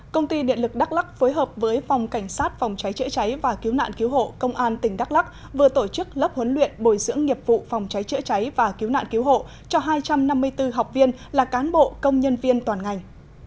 công ty điện lực đắk lắc phối hợp với phòng cảnh sát phòng cháy chữa cháy và cứu nạn cứu hộ công an tỉnh đắk lắc vừa tổ chức lớp huấn luyện bồi dưỡng nghiệp vụ phòng cháy chữa cháy và cứu nạn cứu hộ cho hai trăm năm mươi bốn học viên là cán bộ công nhân viên toàn ngành